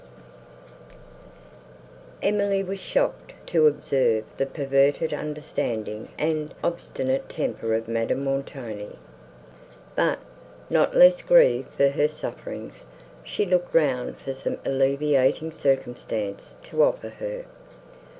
Emily was shocked to observe the perverted understanding and obstinate temper of Madame Montoni; but, not less grieved for her sufferings, she looked round for some alleviating circumstance to offer her.